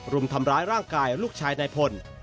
รุมทำร้ายร่างกายลูกชายนายพล